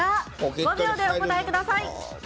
５秒でお答えください。